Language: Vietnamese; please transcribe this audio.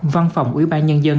văn phòng ủy ban nhân dân